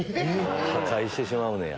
破壊してしまうねや。